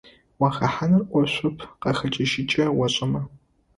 Уахэхьаныр Iофэп къахэкIыжьыкIэ ошIэмэ.